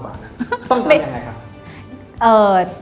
ต้นทำอย่างไรคะ